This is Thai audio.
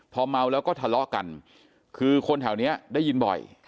พอเมาแล้วก็ทะเลาะกันคือคนแถวนี้ได้ยินบ่อย